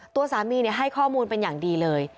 ตัวสามีให้ข้อมูลเป็นอย่างดีเลย